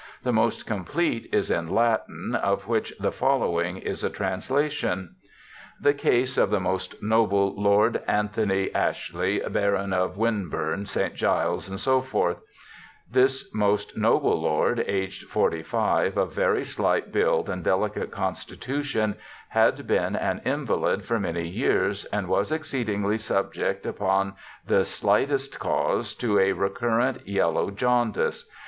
The most complete is in Latin, of which the following is a translation :—* The case of the most Noble Lord Anthony Ashley, Baron of Winburne, St. Giles, <Src.— This most noble lord, aged 45, of very slight build and dehcate constitu tion, had been an invalid for many years, and was exceedingly subject, upon the slightest cause, to a re current yellow jaundice.